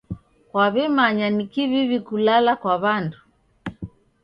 Kwaw'emanya ni kiw'iw'i kulala kwa w'andu.